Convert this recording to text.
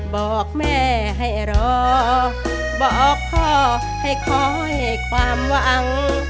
บอกแม่ให้รอบอกพ่อให้คอยความหวัง